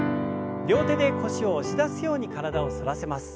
両手で腰を押し出すように体を反らせます。